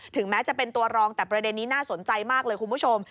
แม้จะเป็นตัวรองแต่ประเด็นนี้น่าสนใจมากเลยคุณผู้ชม